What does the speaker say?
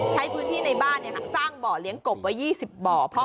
ใช้พื้นที่ในบ้านสร้างบ่อเลี้ยงกบไว้๒๐บ่อ